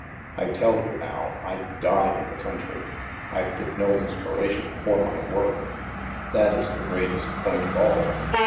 " I tell you, Al, I'd die in the country. Fd get no inspiration for my work." " That is the greatest point of all.